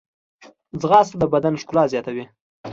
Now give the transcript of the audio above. ځغاسته د بدن ښکلا زیاتوي